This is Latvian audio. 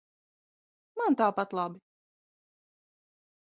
Man tāpat labi.